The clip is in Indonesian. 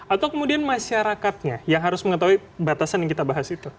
atau kemudian masyarakatnya yang harus mengetahui batasan yang kita bahas itu